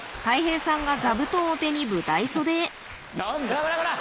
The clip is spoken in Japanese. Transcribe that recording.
こらこらこら！